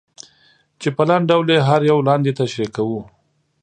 چې په لنډ ډول یې هر یو لاندې تشریح کوو.